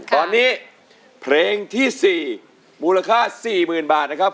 ตอนนี้เพลงที่๔มูลค่า๔๐๐๐บาทนะครับ